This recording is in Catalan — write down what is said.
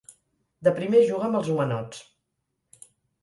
De primer juga amb els Homenots.